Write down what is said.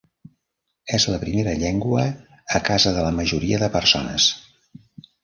És la primera llengua a casa de la majoria de persones.